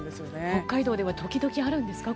北海道では時々あるんですか？